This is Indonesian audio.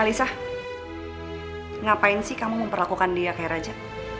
alisa ngapain sih kamu memperlakukan dia kayak raja